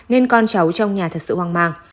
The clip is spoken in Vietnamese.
nên con cháu trong nhà thật sự hoang mang